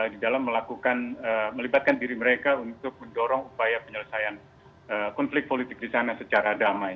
di dalam melakukan melibatkan diri mereka untuk mendorong upaya penyelesaian konflik politik di sana secara damai